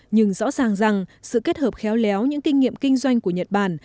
nhưng rõ ràng rằng sự kết hợp khéo léo những kinh nghiệm kinh doanh của nhật bản